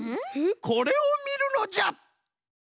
これをみるのじゃ！